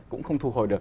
cũng không thu hồi được